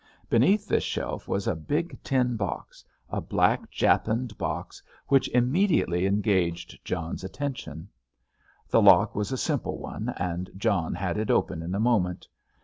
Beneath this shelf was a big tin box, a black japanned box, which immediately engaged John's attention. The lock was a simple one, and John had it open in a moment.